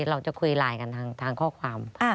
เราจะคุยไลน์กันทางข้อความ